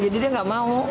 jadi dia nggak mau